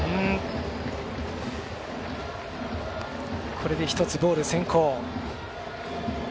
これで１つボール先行。